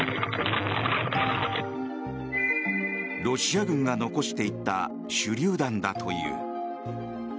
ロシア軍が残していった手りゅう弾だという。